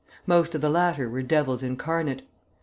Most of the latter were devils incarnate.